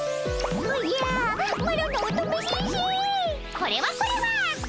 これはこれは。